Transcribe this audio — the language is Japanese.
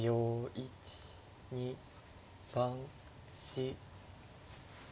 １２３４。